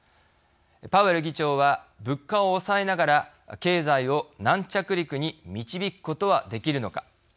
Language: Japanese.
パウエル議長は物価を抑えながら経済を軟着陸に導くことはできるのか。